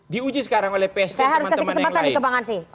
diuji sekarang oleh psd dan teman teman yang lain